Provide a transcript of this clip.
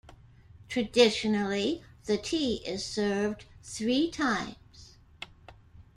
Traditionally, the tea is served three times.